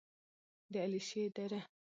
د علیشې دره: